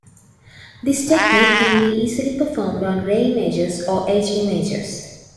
This technique can be easily performed on grey images or edge images.